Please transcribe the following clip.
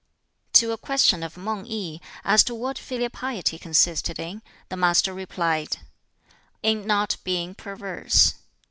To a question of Mang i, as to what filial piety consisted in, the master replied, "In not being perverse."